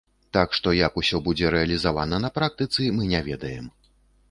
Так што, як усё будзе рэалізавана на практыцы, мы не ведаем.